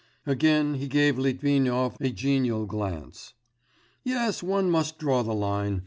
(Again he gave Litvinov a genial glance.) 'Yes, one must draw the line.